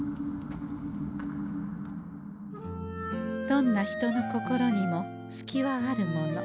どんな人の心にもすきはあるもの。